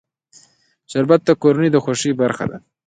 شربت د کورنۍ د خوښۍ برخه ده